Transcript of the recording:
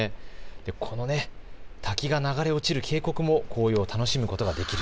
この滝が流れ落ちる渓谷も紅葉を楽しむことができる。